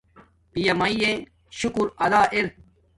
پیامیے شکر ادا ارا